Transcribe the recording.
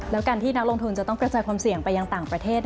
แล้วการที่นักลงทุนจะต้องกระจายความเสี่ยงไปยังต่างประเทศ